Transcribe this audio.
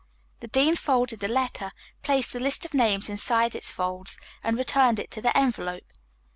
The dean folded the letter, placed the list of names inside its folds and returned it to the envelope.